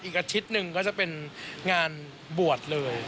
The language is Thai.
อาทิตย์หนึ่งก็จะเป็นงานบวชเลย